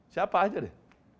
siapa aja deh